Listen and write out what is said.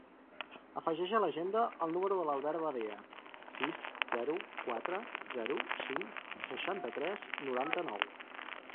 Afegeix a l'agenda el número de l'Albert Badea: sis, zero, quatre, zero, cinc, seixanta-tres, noranta-nou.